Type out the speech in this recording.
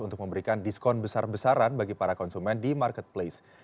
untuk memberikan diskon besar besaran bagi para konsumen di marketplace